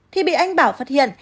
thì bị anh bảo phát hiện